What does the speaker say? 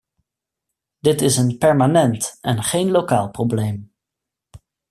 Dit is een permanent en geen lokaal probleem.